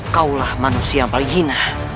kau lah manusia yang paling hina